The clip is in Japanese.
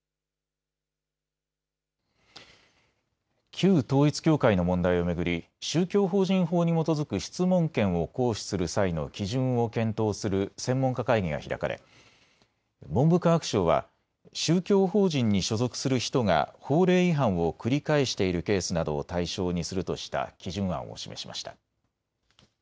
旧統一教会の問題を巡り宗教法人法に基づく質問権を行使する際の基準を検討する専門家会議が開かれ文部科学省は宗教法人に所属する人が法令違反を繰り返しているケースなどを対象にするとした基準案を示しました。